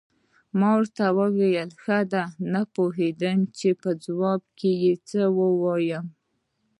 ما ورته وویل: ښه ده، نه پوهېدم چې په ځواب کې یې څه ووایم.